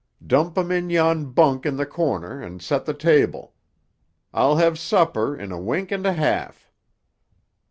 Dump 'em in yon bunk in the corner and set the table. I'll have supper in a wink and a half."